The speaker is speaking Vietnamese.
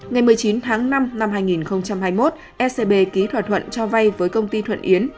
ngày một mươi chín tháng năm năm hai nghìn hai mươi một scb ký thỏa thuận cho vay với công ty thuận yến